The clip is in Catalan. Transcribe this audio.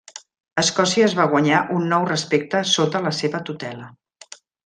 Escòcia es va guanyar un nou respecte sota la seva tutela.